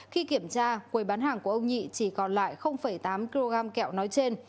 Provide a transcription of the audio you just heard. khi kiểm tra quầy bán hàng của ông nhị chỉ còn lại tám kg kẹo nói trên